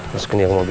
masukin dia ke mobil